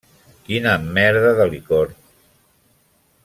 Quina merda de licor!